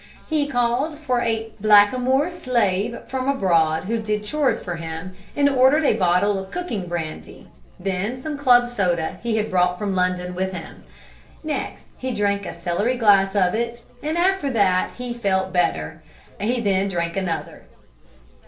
He called for a blackamoor slave from abroad who did chores for him, and ordered a bottle of cooking brandy, then some club soda he had brought from London with him. Next he drank a celery glass of it, and after that he felt better. He then drank another.